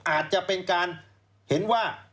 อาจจะเป็นการเห็นว่า